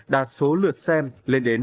đạt số lượt xem lên đến